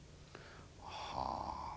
はあ。